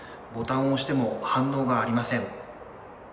ボタンを押しても反応がありません。